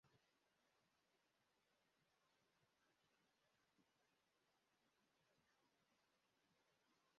Umusore wumuhinde ukubita umupira utukura akoresheje ikibiriti iruhande rwintebe